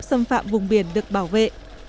xâm phạm vùng biển được bảo vệ